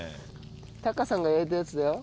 タカさんが焼いたやつだよ。